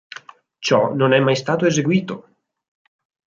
Ciò non è mai stato eseguito.